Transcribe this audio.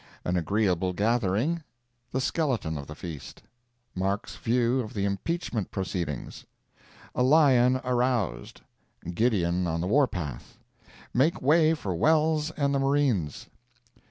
An Agreeable Gathering—The Skeleton of the Feast. Mark's View of the Impeachment Proceedings. A Lion Aroused—Gideon on the War Path—Make way for Welles and the Marines.